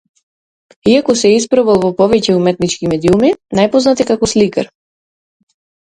Иако се испробал во повеќе уметнички медиуми, најпознат е како сликар.